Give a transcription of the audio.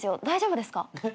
大丈夫ですか？